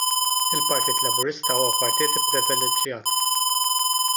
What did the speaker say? Il-Partit Laburista huwa partit ipprivileġġjat.